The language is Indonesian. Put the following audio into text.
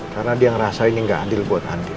karena dia ngerasa ini gak adil buat andin